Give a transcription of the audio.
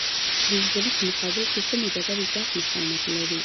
د زلزلې په مقابل کې کومې ډبرې زیات مقاومت لري؟